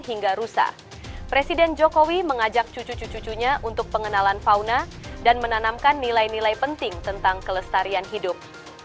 hingga rusa presiden jokowi mengajak cucu cucunya untuk pengenalan fauna dan menanamkan nilai nilai penting tentang kelestarian hidup